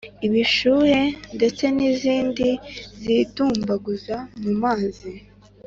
ibishuhe ndetse n’izindi zidumbaguza mu mazi,